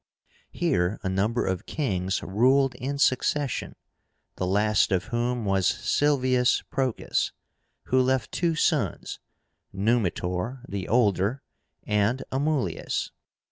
Here a number of kings ruled in succession, the last of whom was SILVIUS PROCAS, who left two sons, NUMITOR, the older, and AMULIUS.